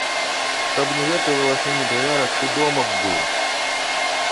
Каб не гэты валасны недавярак, ты дома б быў.